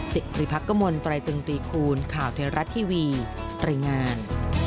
สิริพักกมลตรายตึงตรีคูณข่าวเทวรัฐทีวีรายงาน